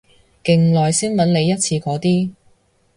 勁耐先搵你一次嗰啲